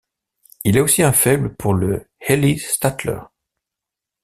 Il a aussi un faible pour le Ellie Stattler.